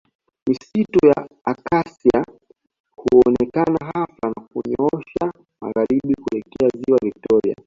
Misitu ya Acacia huonekana ghafla na kunyoosha magharibi kuelekea ziwa Victoria